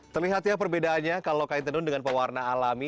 terlihat ya perbedaannya kalau kain tenun dengan pewarna alami